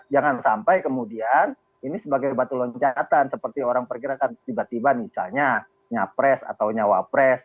jangan sampai kemudian ini sebagai batu loncatan seperti orang perkirakan tiba tiba misalnya nyapres atau nyawapres